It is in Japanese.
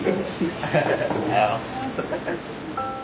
ありがとうございます。